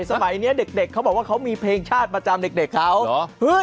สมัยนี้เด็กก็มีเพลงช่าลมีเขาอยู่